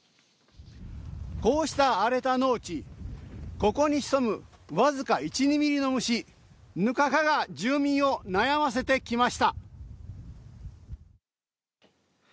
こうした荒れた農地ここに潜む僅か１２ミリの虫、ヌカカが住民を悩ませてきました。